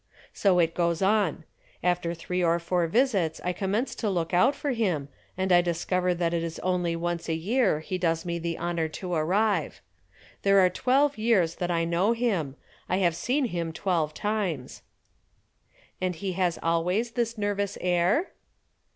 So it goes on. After three or four visits I commence to look out for him, and I discover that it is only once a year he does me the honor to arrive. There are twelve years that I know him I have seen him twelve times." "And he has always this nervous air?"